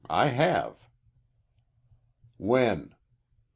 I have." "When?"